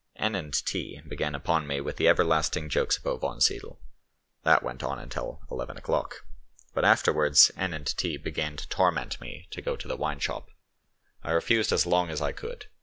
N. and T. began upon me with the everlasting jokes about Wonsiedel; that went on until eleven o'clock. But afterwards N. and T. began to torment me to go to the wine shop; I refused as long as I could.